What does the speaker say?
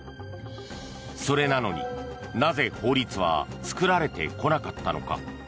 それなのに、なぜ法律は作られてこなかったのか。